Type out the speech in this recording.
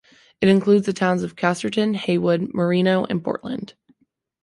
It includes the towns of Casterton, Heywood, Merino and Portland.